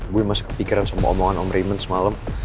gue masih kepikiran sama omongan om raymond semalem